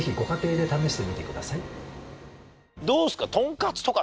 どうですか？